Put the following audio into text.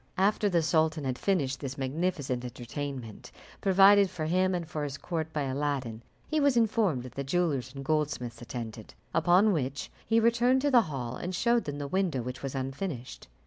After the sultan had finished this magnificent entertainment, provided for him and for his court by Aladdin, he was informed that the jewellers and goldsmiths attended; upon which he returned to the hall, and showed them the window which was unfinished.